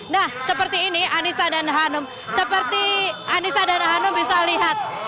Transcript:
nah seperti ini anissa dan hanum seperti anissa dan hanum bisa lihat